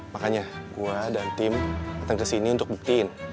makanya gue dan tim datang kesini untuk buktiin